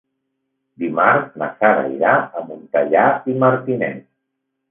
Dimarts na Sara irà a Montellà i Martinet.